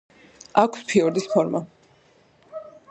აქვს ფიორდის ფორმა.